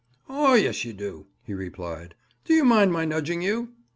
"O yes you do," he replied. "D'you mind my nudging you?"